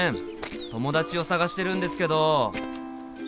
友達を捜してるんですけど。